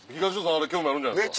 あれ興味あるんじゃないですか？